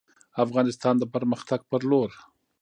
افغانستان د پرمختګ په لور